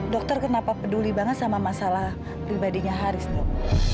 dokter kenapa peduli banget sama masalah pribadinya haris dok